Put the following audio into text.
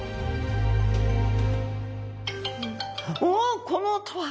おおっこの音は。